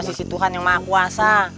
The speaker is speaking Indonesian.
di sisi tuhan yang maha kuasa